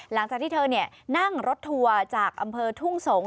หลังจากที่เธอนั่งรถทัวร์จากอำเภอทุ่งสงศ